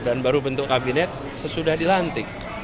dan baru bentuk kabinet sesudah dilantik